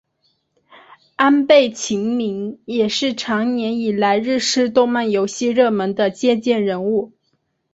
安倍晴明也是长年以来日式动漫游戏热门的借鉴人物。